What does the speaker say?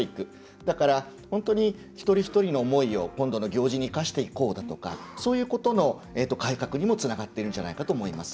だから、本当に一人一人の思いを今度の行事に生かしていこうだとかそういうことの改革につながっていると思います。